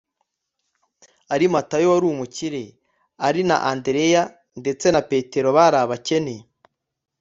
ari matayo wari umukire, ari na andereya ndetse na petero bari abakene